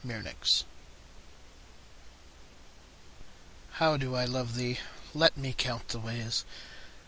XLIII How do I love thee? Let me count the ways.